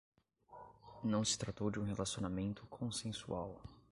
Não se tratou de um relacionamento consensual